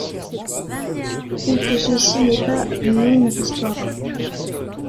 Ou que ceci n'est pas nune histoire vraie.